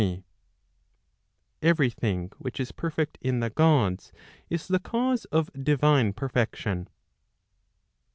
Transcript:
[Every thing which is perfect in the Gods,'] is the cause of divine perfection.